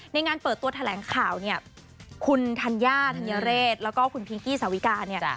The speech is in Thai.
ในงานเปิดตัวแถลงข่าวเนี่ยคุณธัญญาธัญเรศแล้วก็คุณพิงกี้สาวิกาเนี่ย